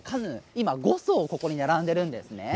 今、５そう、ここに並んでいるんですね。